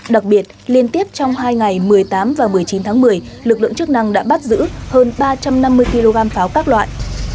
đặc biệt liên tiếp trong hai ngày một mươi tám và một mươi chín tháng một mươi lực lượng chức năng đã bắt giữ hơn ba trăm năm mươi kg pháo các loại